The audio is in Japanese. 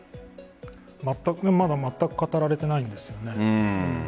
まだまったく語られてないんですよね。